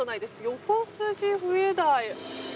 ヨコスジフエダイ。